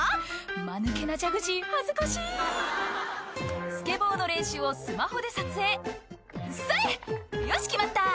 マヌケなジャグジー恥ずかしいスケボーの練習をスマホで撮影「それ！よし決まった！」